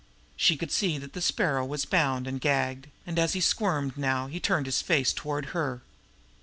She could see that the Sparrow was bound and gagged, and as he squirmed now he turned his face toward her.